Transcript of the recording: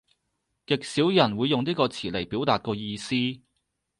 極少人會用呢個詞嚟表達個意思